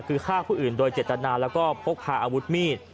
คือฆ่าผู้อื่นโดยเจตนาแล้วก็พกพาอาวุธมีด